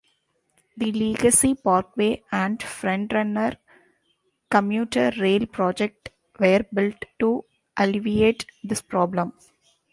The Legacy Parkway and "FrontRunner" commuter rail project were built to alleviate this problem.